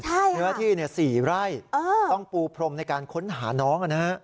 เนื้อที่๔ไร่ต้องปูพรมในการค้นหาน้อง